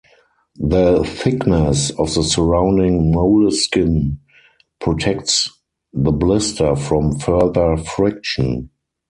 The thickness of the surrounding moleskin protects the blister from further friction.